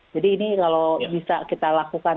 jadi ini kalau bisa kita lakukan